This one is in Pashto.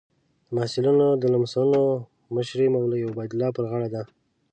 د محصلینو د لمسولو مشري د مولوي عبیدالله پر غاړه ده.